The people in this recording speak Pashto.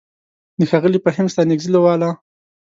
د ښاغلي فهيم ستانکزي له واله: